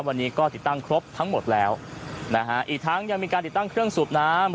วันนี้ก็ติดตั้งครบทั้งหมดแล้วนะฮะอีกทั้งยังมีการติดตั้งเครื่องสูบน้ำ